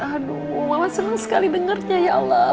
aduh mama senang sekali dengarnya ya allah